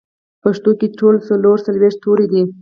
پښتو کې ټول څلور څلوېښت توري دي